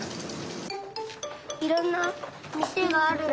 いろんなみせがあるね。